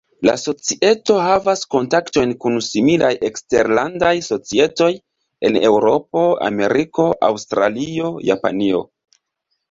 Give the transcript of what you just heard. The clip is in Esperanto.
La societo havas kontaktojn kun similaj eksterlandaj societoj en Eŭropo, Ameriko, Aŭstralio, Japanio.